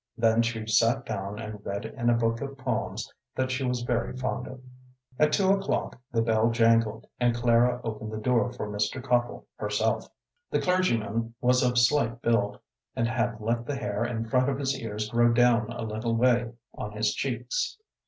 Then she sat down and read in a book of poems that she was very fond of. At two o'clock the bell jangled, and Clara opened the door for Mr. Copple herself. The clergyman was of slight build, and had let the hair in front of his ears grow down a little way on his cheeks.